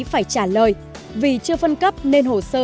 phải trả lời vì chưa phân cấp nên hồ sơ